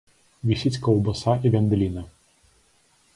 Вісіць каўбаса і вяндліна.